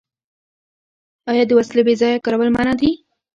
آیا د وسلې بې ځایه کارول منع نه دي؟